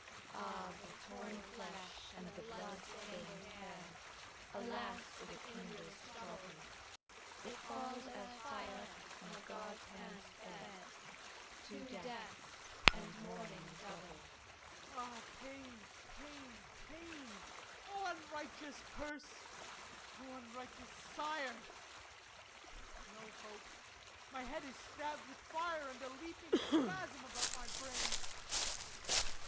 Ah the torn flesh and the blood stained hair; Alas for the kindred's trouble! It falls as fire from a God's hand sped, Two deaths, and mourning double. HIPPOLYTUS Ah, pain, pain, pain! O unrighteous curse! O unrighteous sire! No hope. My head is stabbed with fire, And a leaping spasm about my brain.